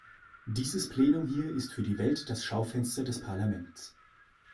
Dieses Plenum hier ist für die Welt das Schaufenster des Parlaments.